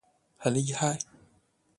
很厲害